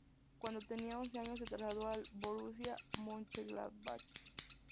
Cuando tenía once años se trasladó al Borussia Mönchengladbach.